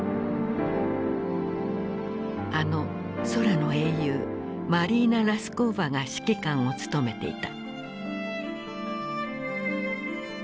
あの空の英雄マリーナ・ラスコーヴァが指揮官を務めていた。